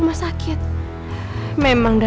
padahal alexis beli minuman yang leher